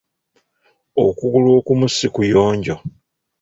Okugulu okumu si kuyonjo.